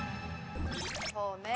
そうね。